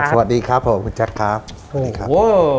สวัสดีครับคือแจ็คครับ